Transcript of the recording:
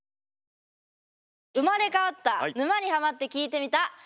生まれ変わった「沼にハマってきいてみた」。